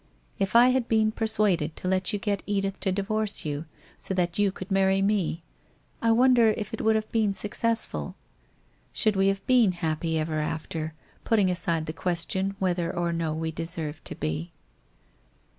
— if I had been persuaded to let you get Edith to divorce you, so that you could marry me, I wonder if it would have been successful ? Should we have been happy ever after, putting aside the question whether or no we deserved to be?